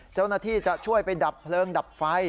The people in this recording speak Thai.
เจ้าหน้าที่จะช่วยไปดับเพลิงดับไฟ